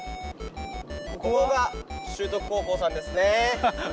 ここが修徳高校さんですね。